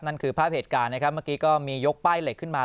นั่นคือภาพเหตุการณ์นะครับเมื่อกี้ก็มียกป้ายเหล็กขึ้นมา